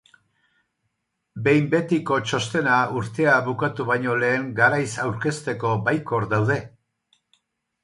Behin betiko txostena urtea bukatu baino lehen garaiz aurkezteko baikor daude.